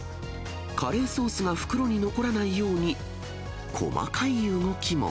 カレーソースが袋に残らないように、細かい動きも。